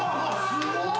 ・すごっ！